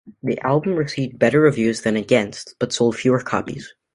The album received better reviews than "Against", but sold fewer copies.